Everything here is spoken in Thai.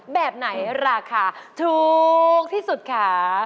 แบบไหนราคาถูกที่สุดคะ